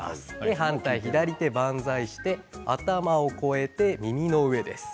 反対、左手、万歳して頭を越えて耳の上です。